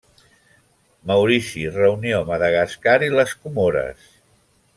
Maurici, Reunió, Madagascar i les Comores.